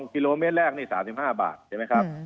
กิโลเมตรแรกนี่๓๕บาทใช่ไหมครับ